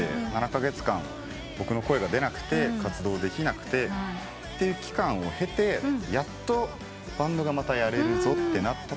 ７カ月間僕の声が出なくて活動できなくてという期間を経てやっとバンドがまたやれるぞとなったときに。